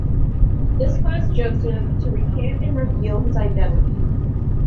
This caused Joseph to recant and reveal his identity.